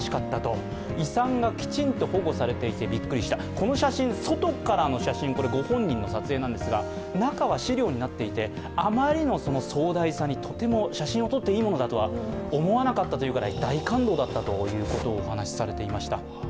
この写真、外からの写真ご本人の写真なんですが中は資料になっていて、あまりの壮大さに写真を撮っていいものだとは思わなかったというぐらい大感動だとお話しされていました。